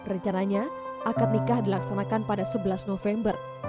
rencananya akad nikah dilaksanakan pada sebelas november